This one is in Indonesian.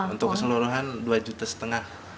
untuk keseluruhan rp dua lima ratus